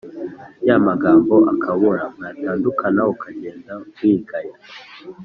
yamagambo akabura, mwatandukana ukagenda wigaya,